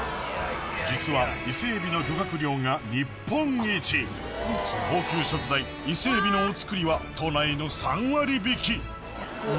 実は高級食材伊勢エビのお造りは都内の３割引きなのでこんな贅沢も